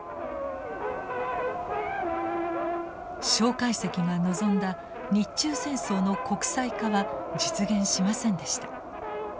介石が望んだ日中戦争の国際化は実現しませんでした。